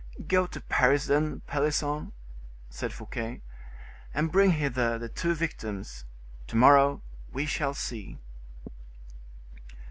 "Go to Paris, then, Pelisson," said Fouquet, "and bring hither the two victims; to morrow we shall see."